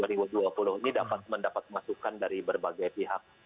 ini dapat mendapat masukan dari berbagai pihak